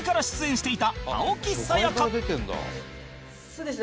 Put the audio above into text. そうですね。